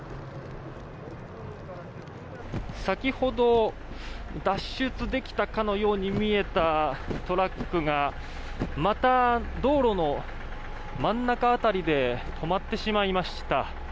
先ほど脱出できたかのように見えたトラックがまた道路の真ん中辺りで止まってしまいました。